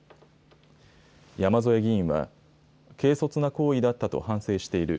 山添議員は、軽率な行為だったと反省している。